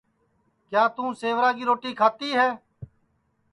کیا توں سیورا کی روٹی کھاتی ہے